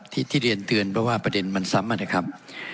ที่เรียนเตือนเพราะว่าประเด็นมันซ้ำมานะครับ